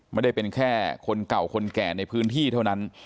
ไม่ได้เป็นแค่คนเก่าคนแก่ในพื้นที่เท่านั้น